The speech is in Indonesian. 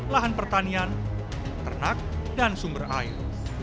lahan pertanian ternak dan sumber air